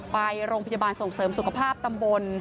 ไปโรงพยาบาลส่งเสริมสุขภาพตำบล